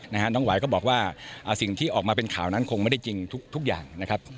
น้องหวายก็บอกว่าสิ่งที่ออกมาเป็นข่าวนั้นคงไม่ได้จริงทุกอย่างนะครับ